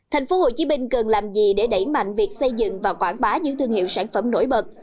tp hcm cần làm gì để đẩy mạnh việc xây dựng và quảng bá những thương hiệu sản phẩm nổi bật